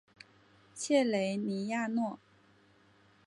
切雷尼亚诺。